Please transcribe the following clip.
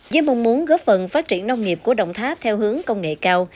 với mong muốn góp phần phát triển nông nghiệp của đồng tháp theo hướng công nghệ cao